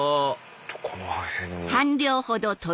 この辺に。